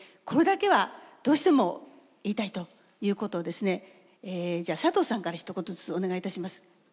これだけはどうしても言いたいということをですねじゃあ佐藤さんからひと言ずつお願いいたします。